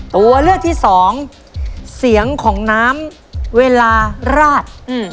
ตัวเลือกที่สองเสียงของน้ำเวลาราด